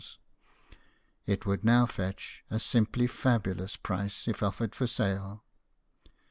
It would now fetch a simply fabulous price, if offered for sale.